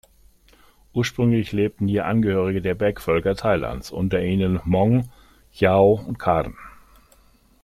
Ursprünglich lebten hier Angehörige der Bergvölker Thailands, unter ihnen Hmong, Yao und Karen.